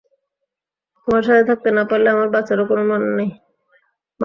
তোমার সাথে থাকতে না পারলে আমার বাঁচারও কোনো মানে হয় না।